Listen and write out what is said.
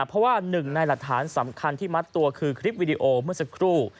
เพราะว่าหนึ่งในหลักฐานสำคัญที่มัดตัวคือคลิปวิดีโอเมื่อสักครู่